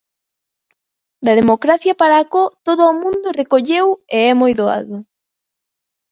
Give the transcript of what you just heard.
Da democracia para acó todo o mundo recolleu e é moi doado.